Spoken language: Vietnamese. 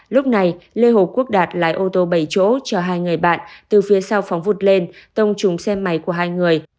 lúc này lê hồ quốc đạt lái ô tô bảy chỗ cho hai người bạn từ phía sau phóng vụt lên tông trúng xe máy của hai người